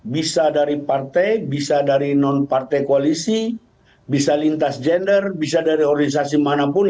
bisa dari partai bisa dari non partai koalisi bisa lintas gender bisa dari organisasi manapun